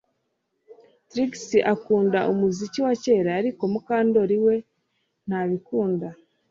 Trix akunda umuziki wa kera ariko Mukandoli we ntabikunda